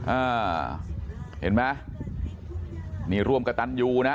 อ่าเห็นไหมนี่ร่วมกับตันยูนะ